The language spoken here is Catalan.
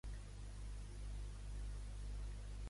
Què li va succeir al fill d'Haddi?